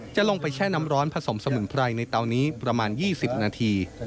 จะลงไปแช่น้ำร้อนผสมสมุนไพรในเตานี้ประมาณ๒๐นาที